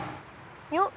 kang gobang udah sadar